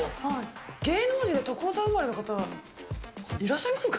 芸能人で所沢生まれの方、いらっしゃいますか？